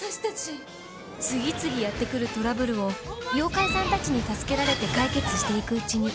次々やってくるトラブルを妖怪さんたちに助けられて解決していくうちに